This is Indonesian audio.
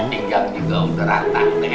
tinggang juga udah rata